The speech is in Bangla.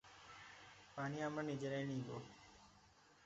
পানি আমরা নিজেরাই নিবো।